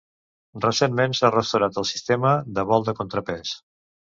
Recentment s'ha restaurat el sistema de vol de contrapès.